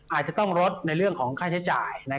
อาจจะต้องลดในเรื่องของค่าใช้จ่าย